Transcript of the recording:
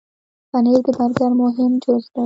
پنېر د برګر مهم جز دی.